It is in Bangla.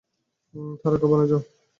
তারকা বনে যাও।